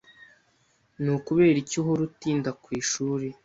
Ni ukubera iki uhora utinda ku ishuri?